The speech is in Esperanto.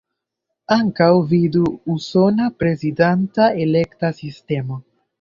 Ankaŭ vidu Usona Prezidanta Elekta Sistemo.